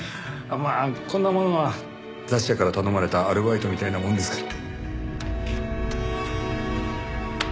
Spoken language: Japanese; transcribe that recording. まあこんなものは雑誌社から頼まれたアルバイトみたいなものですから。